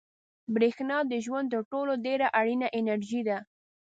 برېښنا د ژوند تر ټولو ډېره اړینه انرژي ده.